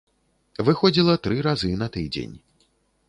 Выходзіла тры разы на тыдзень.